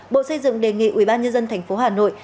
bộ xây dựng đề nghị ubnd tp hà nội